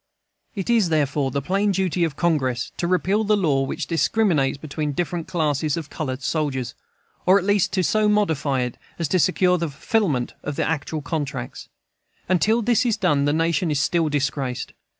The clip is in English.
It is therefore the plain duty of Congress to repeal the law which discriminates between different classes of colored soldiers, or at least so to modify it as to secure the fulfilment of actual contracts. Until this is done the nation is still disgraced.